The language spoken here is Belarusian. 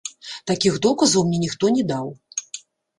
Такіх доказаў мне ніхто не даў.